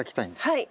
はい。